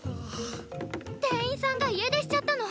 店員さんが家出しちゃったの！